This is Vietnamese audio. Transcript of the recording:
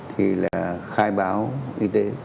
thì là khai báo y tế